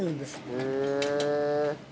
へえ。